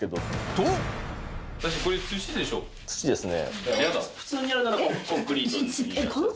と土ですね。